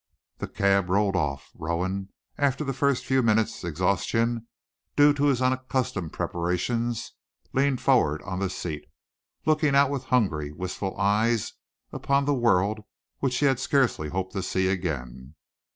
The cab rolled off. Rowan, after the first few minutes' exhaustion, due to his unaccustomed preparations, leaned forward on the seat, looking out with hungry, wistful eyes upon the world which he had scarcely hoped to see again.